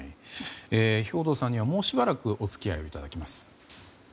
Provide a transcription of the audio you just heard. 兵頭さんにはもうしばらくお付き合いいただきます。